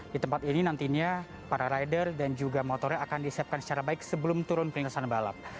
di tempat ini nantinya para rider dan juga motornya akan disiapkan secara baik sebelum turun peringkatan balap